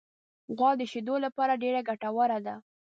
غوا د شیدو لپاره ډېره ګټوره ده.